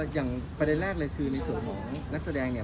อย่างประเด็นแรกเลยคือในส่วนของนักแสดงเนี่ย